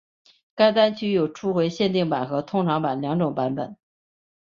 该单曲有初回限定版和通常版两种版本。